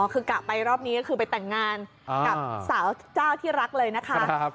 คือกะไปรอบนี้ก็คือไปแต่งงานกับสาวเจ้าที่รักเลยนะคะ